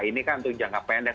ini kan untuk jangka pendek